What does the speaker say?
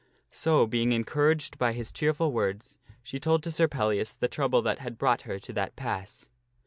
So, being encouraged by his cheerful words, she told to Sir Pellias the trouble that had brought her to that pass.